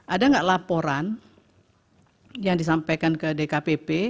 ada nggak laporan yang disampaikan ke dkpp